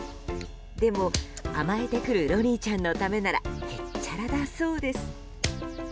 でも、甘えてくるロニーちゃんのためならへっちゃらだそうです。